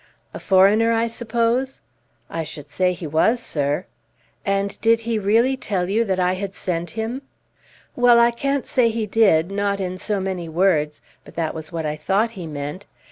"A foreigner, I suppose?" "I should say he was, sir." "And did he really tell you I had sent him?" "Well, I can't say he did, not in so many words, but that was what I thought he meant.